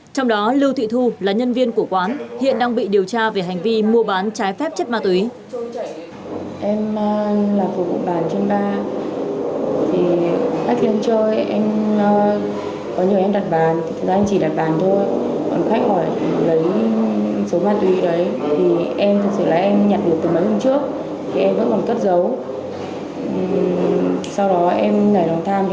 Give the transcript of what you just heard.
trong đó lưu thị thu là nhân viên của quán hiện đang bị điều tra về hành vi mua bán trái phép chất ma túy